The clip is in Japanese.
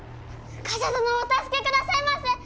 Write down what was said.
冠者殿をお助けくださいませ。